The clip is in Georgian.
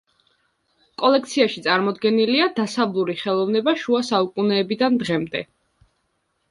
კოლექციაში წარმოდგენილია დასავლური ხელოვნება შუა საუკუნეებიდან დღემდე.